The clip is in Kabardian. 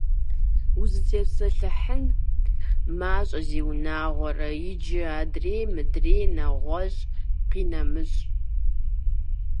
Узытепсэлъыхьын мащӀэ, зиунагъуэрэ, иджы: адрей, мыдрей, нэгъуэщӀ, къинэмыщӀ…